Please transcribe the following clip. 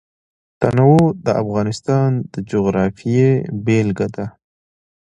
تنوع د افغانستان د جغرافیې بېلګه ده.